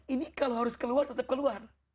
ini kalau harus keluar tetap keluar